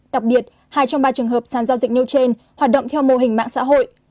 đặc biệt hai trong ba trường hợp sàn giao dịch nêu trên hoạt động theo mô hình mạng xã hội